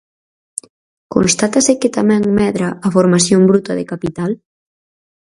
¿Constátase que tamén medra a formación bruta de capital?